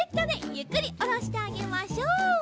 ゆっくりおろしてあげましょう。